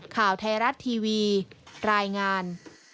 ข่าวไทยรัฐทีวีรายงาน